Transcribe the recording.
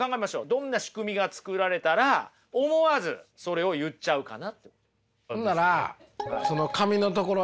どんな仕組みが作られたら思わずそれを言っちゃうかな。